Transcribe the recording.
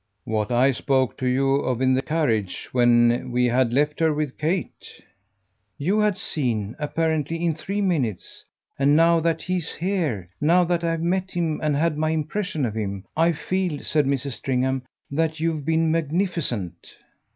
"What I spoke to you of in the carriage when we had left her with Kate?" "You had SEEN, apparently, in three minutes. And now that he's here, now that I've met him and had my impression of him, I feel," said Mrs. Stringham, "that you've been magnificent."